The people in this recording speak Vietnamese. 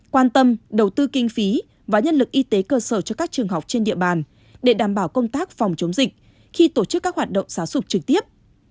quan tâm đầu tư kinh phí và nhân lực y tế cơ sở cho các trường học trên địa bàn để đảm bảo công tác phòng chống dịch khi tổ chức các hoạt động giáo dục trực tiếp